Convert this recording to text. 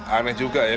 aneh juga ya